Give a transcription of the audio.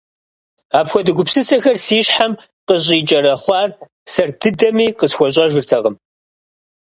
Апхуэдэ гупсысэхэр си щхьэм къыщӀикӀэрахъуэр сэр дыдэми къысхуэщӏэжыртэкъым.